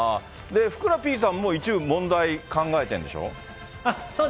ふくらＰさんも一部問題、考えてんでしょう。